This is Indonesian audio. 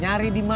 nyari di mana